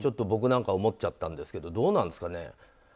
僕なんかは思っちゃったんですがどうなんですかね。